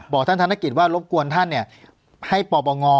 ท่านธนกิจว่ารบกวนท่านให้ปปง